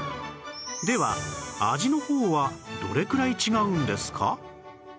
では味の方はどれくらい違うんですか？